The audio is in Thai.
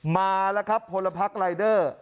มาแล้วครับพลพักรายเดอร์